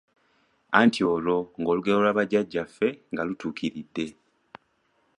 Anti olwo ng’olugero lwa Bajjajjaffe nga lutuukiridde;